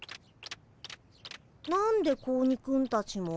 何で子鬼くんたちも？